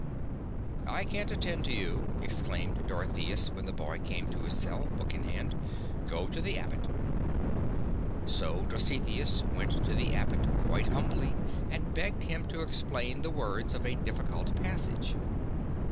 "I can't attend to you," exclaimed Dorotheas when the boy came to his cell, book in hand; "go to the Abbot." So Dositheus went to the Abbot quite humbly and begged him to explain the words of a difficult passage.